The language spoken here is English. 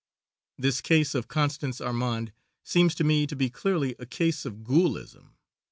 This case of Constance Armande seems to me to be clearly a case of ghoulism.